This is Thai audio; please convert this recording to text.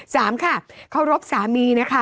สามค่ะเคารพสามีนะคะ